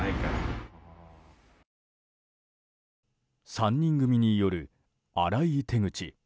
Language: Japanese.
３人組による荒い手口。